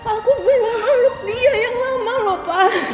aku belum leluk dia yang lama lupa